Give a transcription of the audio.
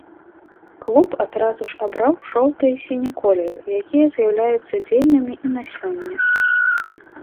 Клуб адразу ж абраў жоўты і сіні колеры, якія з'яўляюцца дзейнымі і на сёння.